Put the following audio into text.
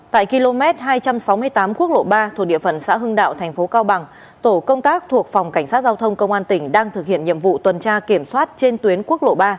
tại km hai trăm sáu mươi tám quốc lộ ba thuộc địa phận xã hưng đạo thành phố cao bằng tổ công tác thuộc phòng cảnh sát giao thông công an tỉnh đang thực hiện nhiệm vụ tuần tra kiểm soát trên tuyến quốc lộ ba